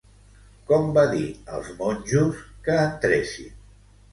Com va dir als monjos que entressin?